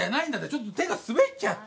ちょっと手が滑っちゃって。